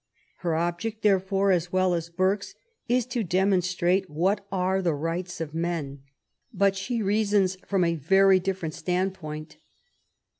Her object, therefore, as well as Burke's, is to demonstrate what are the rights of men; but she reasons from a very •different stand point.